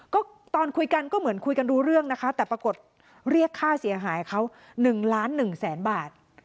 ก็ตอนคุยกันก็เหมือนคุยกันรู้เรื่องนะคะแต่ปรากฏเรียกค่าเสียหายเขา๑ล้าน๑แสนบาท